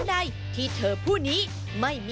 ว้าว